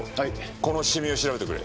このシミを調べてくれ。